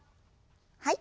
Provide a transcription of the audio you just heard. はい。